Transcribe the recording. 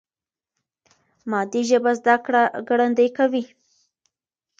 مادي ژبه زده کړه ګړندۍ کوي.